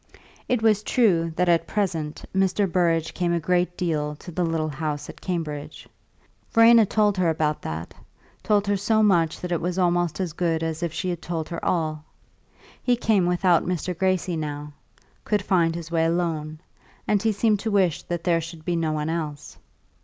It was true that at present Mr. Burrage came a great deal to the little house at Cambridge; Verena told her about that, told her so much that it was almost as good as if she had told her all. He came without Mr. Gracie now; he could find his way alone, and he seemed to wish that there should be no one else.